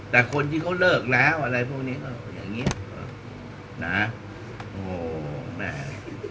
แต่คนที่เขาเลิกแล้วอะไรพวกนี้เขาอย่างนี้